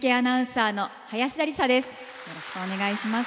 よろしくお願いします。